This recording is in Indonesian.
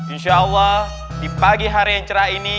insya allah di pagi hari yang cerah ini